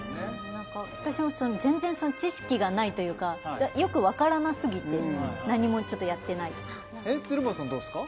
私は全然知識がないというかよく分からなすぎて何もちょっとやってない鶴房さんどうですか？